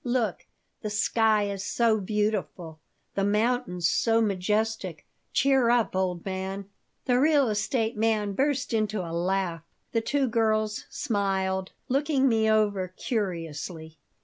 Look! The sky is so beautiful, the mountains so majestic. Cheer up, old man." The real estate man burst into a laugh. The two girls smiled, looking me over curiously.